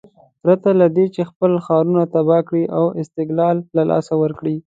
پرته له دې چې خپل ښارونه تباه کړي او استقلال له لاسه ورکړي.